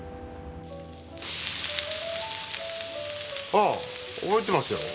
ああ覚えてますよ。